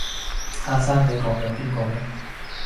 阿生你講緊邊個呢？